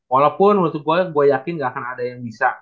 walaupun menurut gua gua yakin ga akan ada yang bisa